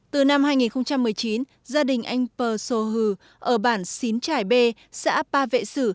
từ năm hai nghìn một mươi chín gia đình anh p so hư ở bản xín trải bê xã ba vệ sử